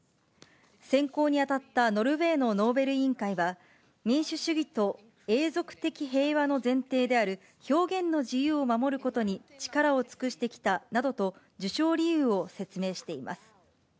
選考に当たったノルウェーのノーベル委員会は、民主主義と永続的平和の前提である表現の自由を守ることに力を尽くしてきたなどと受賞理由を説明しています。